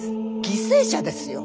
犠牲者ですよ。